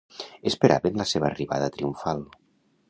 Esperaven la seva arribada triomfal.